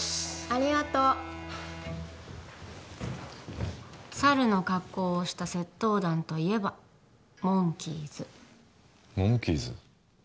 ありがとう猿の格好をした窃盗団といえばモンキーズモンキーズ？